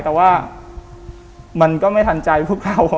แต่ว่ามันก็ไม่ทันใจพวกเขา